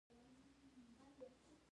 له ډېره وخته مې کوچني کار ته نیت و